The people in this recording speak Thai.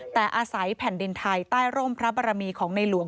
แต่อาศัยแผ่นดินไทยใต้ร่มพระบรมีของในหลวง